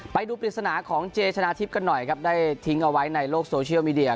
ไปดูปริศนาของเจชนะทิพย์กันหน่อยครับได้ทิ้งเอาไว้ในโลกโซเชียลมีเดีย